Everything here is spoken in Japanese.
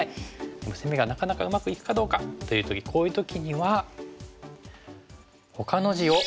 でも攻めがなかなかうまくいくかどうかという時こういう時には。